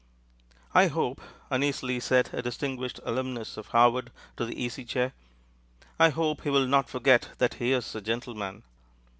"I hope," uneasily said a distinguished alumnus of Harvard to the Easy Chair, "I hope he will not forget that he is a gentleman."